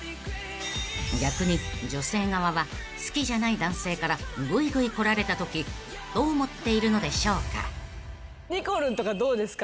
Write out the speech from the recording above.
［逆に女性側は好きじゃない男性からぐいぐい来られたときどう思っているのでしょうか］にこるんとかどうですか？